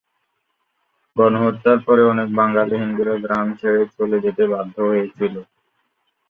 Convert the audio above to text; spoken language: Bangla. গণহত্যার পরে অনেক বাঙালি হিন্দুরা গ্রাম ছেড়ে চলে যেতে বাধ্য হয়েছিল।